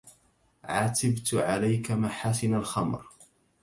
عتبت عليك محاسن الخمر